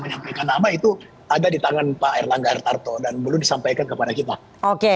menyampaikan nama itu ada di tangan pak erlangga hartarto dan belum disampaikan kepada kita oke